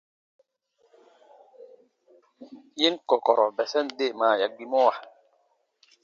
Yen kɔ̀kɔ̀rɔ̀ bɛsɛn deemaa ya gbimɔwa.